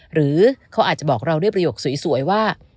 หรือเขาอาจจะบอกเราด้วยประโยคสวยว่า